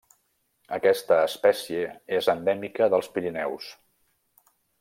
Aquesta espècie és endèmica dels Pirineus.